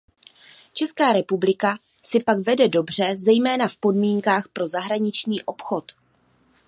Česká republika si pak vede dobře zejména v podmínkách pro zahraniční obchod.